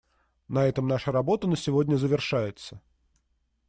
На этом наша работа на сегодня завершается.